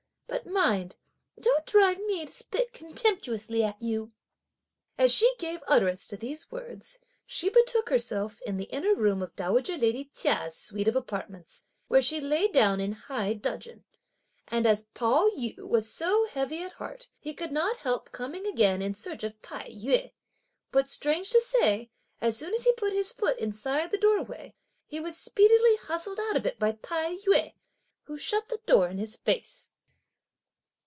But mind don't drive me to spit contemptuously at you." As she gave utterance to these words, she betook herself in the inner room of dowager lady Chia's suite of apartments, where she lay down in high dudgeon, and, as Pao yü was so heavy at heart, he could not help coming again in search of Tai yü; but strange to say, as soon as he put his foot inside the doorway, he was speedily hustled out of it by Tai yü, who shut the door in his face.